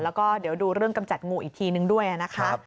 แล้วก็เดี๋ยวดูเรื่องกำจัดงูอีกทีนึงด้วยนะคะ